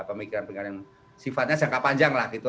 pemikiran pemikiran yang sifatnya jangka panjang lah gitu